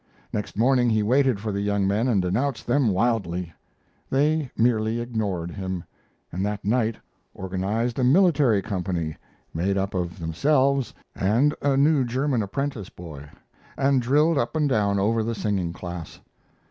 Next morning he waited for the young men and denounced them wildly. They merely ignored him, and that night organized a military company, made up of themselves and a new German apprentice boy, and drilled up and down over the singing class.